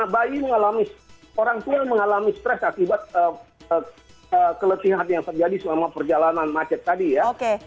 bayi mengalami orang tua yang mengalami stres akibat keletihan yang terjadi selama perjalanan macet tadi ya